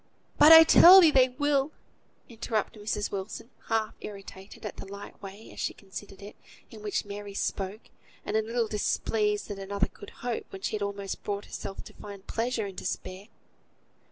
"But I tell thee they will," interrupted Mrs. Wilson, half irritated at the light way, as she considered it, in which Mary spoke; and a little displeased that another could hope when she had almost brought herself to find pleasure in despair.